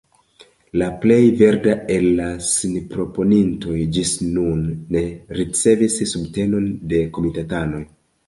La plej verda el la sinproponintoj ĝis nun ne ricevis subtenon de komitatanoj.